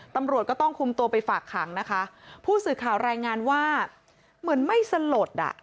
ตำรวจก็ต้องคุมตัวไปฝากขังนะคะผู้สื่อข่าวรายงานว่าเหมือนไม่สลดอ่ะ